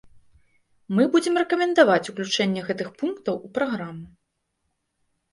Мы будзем рэкамендаваць ўключэнне гэтых пунктаў у праграму.